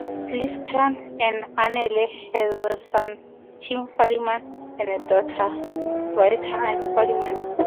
Clifton and Annalee had a son, Kim Fadiman, and a daughter, writer Anne Fadiman.